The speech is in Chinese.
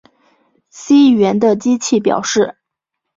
C 语言的机器表示